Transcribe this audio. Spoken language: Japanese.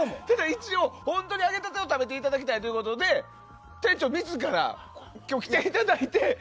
一応、本当に揚げたてを食べていただきたいということで店長自ら今日来ていただいて。